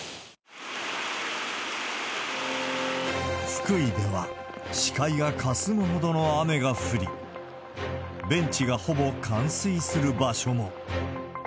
福井では、視界がかすむほどの雨が降り、ベンチがほぼ冠水する場所も。